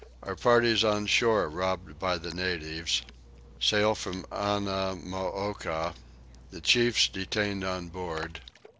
Our Parties on Shore robbed by the Natives. Sail from Annamooka. The Chiefs detained on board.